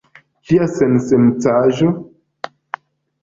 Kia sensencaĵo?